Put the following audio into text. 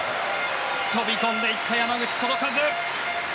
飛び込んでいった山口届かず。